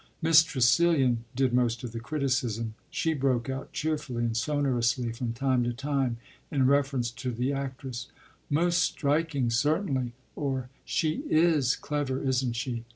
Miss Tressilian did most of the criticism: she broke out cheerfully and sonorously from time to time, in reference to the actress, "Most striking certainly," or "She is clever, isn't she?"